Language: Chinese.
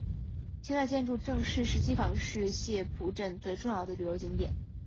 清代建筑郑氏十七房是澥浦镇最重要的旅游景点。